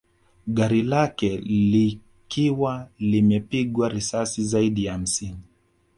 Gari lake likiwa limepigwa risasi zaidi ya hamsini